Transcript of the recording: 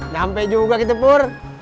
nampek juga kita pur